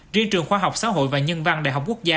riêng trường khoa học xã hội và nhân văn đại học quốc gia